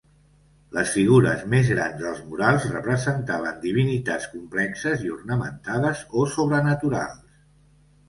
Les figures més grans dels murals representaven divinitats complexes i ornamentades o sobrenaturals.